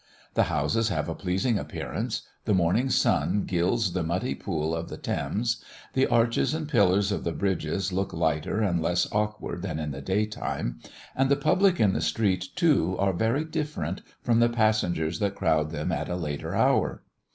The houses have a pleasing appearance; the morning sun gilds the muddy pool of the Thames; the arches and pillars of the bridges look lighter and less awkward than in the daytime, and the public in the street, too, are very different from the passengers that crowd them at a later hour.